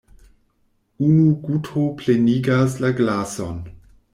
Unu guto plenigas la glason.